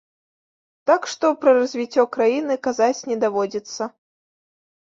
Так што пра развіццё краіны казаць не даводзіцца.